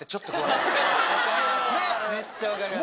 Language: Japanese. めっちゃ分かります！